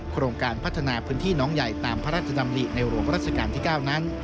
โครงการพัฒนาพื้นที่น้องใหญ่ตามพระราชดำริในหลวงรัชกาลที่๙นั้น